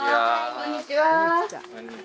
こんにちは。